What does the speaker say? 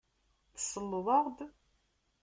Tselleḍ-aɣ-d?